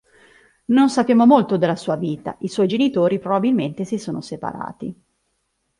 Non sappiamo molto della sua vita: i suoi genitori probabilmente si sono separati.